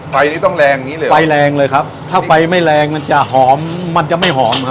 ไฟนี้ต้องแรงอย่างงี้เลยไฟแรงเลยครับถ้าไฟไม่แรงมันจะหอมมันจะไม่หอมครับ